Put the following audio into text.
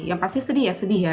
yang pasti sedih ya sedih ya